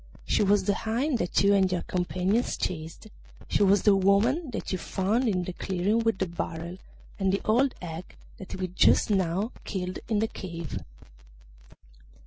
She was the hind that you and your companions chased; she was the woman that you found in the clearing with the barrel, and the old hag that we just now killed in the cave.